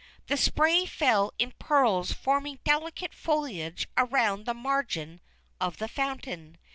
The spray fell in pearls forming delicate foliage around the margin of the Fountain.